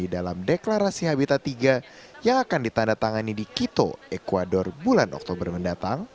dalam konteks kesehatan tiga yang akan ditandatangani di quito ecuador bulan oktober mendatang